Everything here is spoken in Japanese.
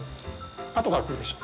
後から来るでしょう。